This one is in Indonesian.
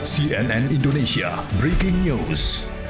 cnn indonesia breaking news